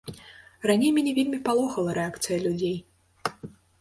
Раней мяне вельмі палохала рэакцыя людзей.